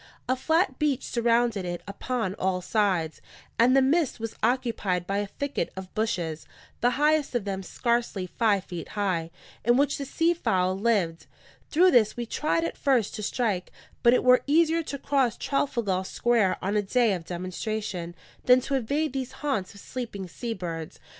A flat beach surrounded it upon all sides; and the midst was occupied by a thicket of bushes, the highest of them scarcely five feet high, in which the sea fowl lived. Through this we tried at first to strike; but it were easier to cross Trafalgar Square on a day of demonstration than to invade these haunts of sleeping sea birds.